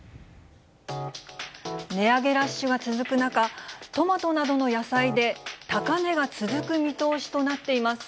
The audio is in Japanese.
値上げラッシュが続く中、トマトなどの野菜で高値が続く見通しとなっています。